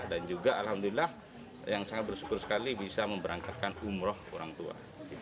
dan juga alhamdulillah yang sangat bersyukur sekali bisa memberangkatkan umroh orang tua